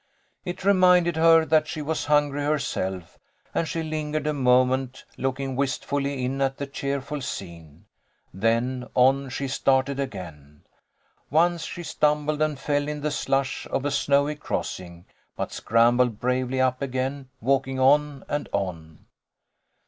It reminded her that she was hungry herself, and she lingered a moment, looking wistfully in at the cheerful scene. Then on she started again. Once she stumbled and fell in the slush of a snowy crossing, but scrambled bravely up again, walking on and on.